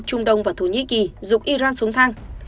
trung đông và thổ nhĩ kỳ rụng iran xuống thang